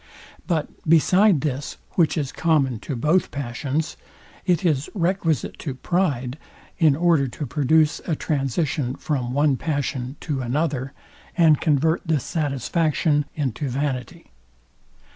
But beside this, which is common to both passions, it is requisite to pride, in order to produce a transition from one passion to another, and convert the falsification into vanity.